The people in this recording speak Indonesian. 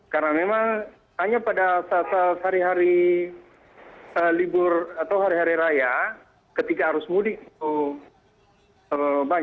dari satu koperasi dengan seribuan pekerja dikhawatirkan